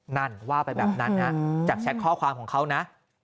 นั่นว่าไปแบบนั้นนะจากแชทข้อความของเขานะ